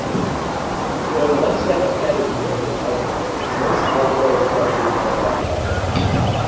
Going one step ahead of universal algebra, most algebraic structures are F-algebras.